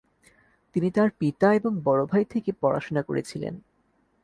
তিনি তাঁর পিতা এবং বড় ভাই থেকে পড়াশোনা করেছিলেন।